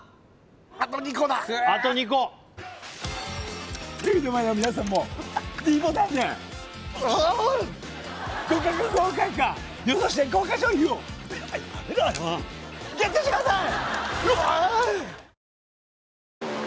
あと２個だテレビの前の皆さんもｄボタンで合格か不合格か予想して豪華賞品をＧＥＴしてください